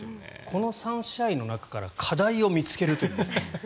この３試合の中から課題を見つけるという。